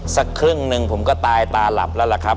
สักครึ่งหนึ่งผมก็ตายตาหลับแล้วล่ะครับ